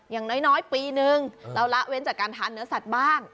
อย่างน้อยปีนึงเราละเว้นจากการทานเนื้อสัตว์บ้าง